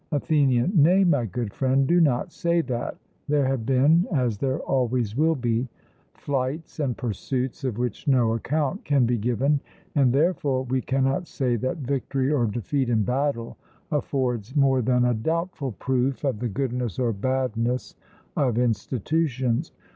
ATHENIAN: Nay, my good friend, do not say that; there have been, as there always will be, flights and pursuits of which no account can be given, and therefore we cannot say that victory or defeat in battle affords more than a doubtful proof of the goodness or badness of institutions.